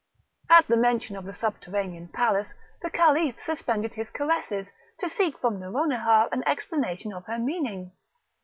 At the mention of the subterranean palace the Caliph suspended his caresses, to seek from Nouronihar an explanation of her meaning.